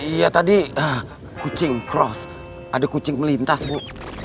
iya tadi kucing cross ada kucing melintas bu